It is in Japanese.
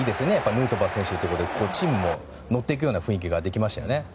ヌートバー選手もチームも乗っていくような雰囲気ができましたね。